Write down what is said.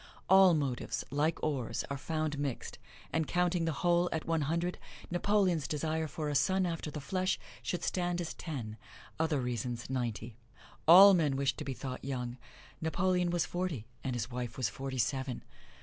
All motives, like ores, are found mixed, and counting the whole at one hundred, Napoleon's desire for a son after the flesh should stand as ten other reasons ninety. All men wish to be thought young. Napoleon was forty, and his wife was forty seven.